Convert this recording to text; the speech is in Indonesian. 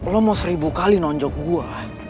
lu mau seribu kali nonjok gua